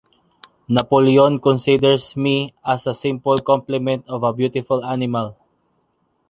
Napoleon considers me as a simple complement of a beautiful animal.